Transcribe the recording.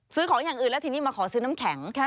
ซื้อของอย่างอื่นแล้วทีนี้มาขอซื้อน้ำแข็ง